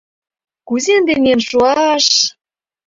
Кузе ынде миен шуаш?..